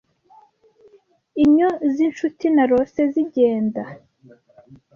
inyo zinshuti narose zigenda